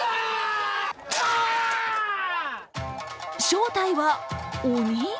正体は鬼！？